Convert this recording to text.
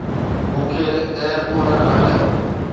مون کي air cooler آڻيو